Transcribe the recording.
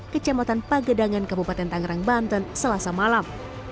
kecamatan pagedangan kabupaten tangerang banten selasa malam